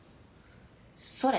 それ！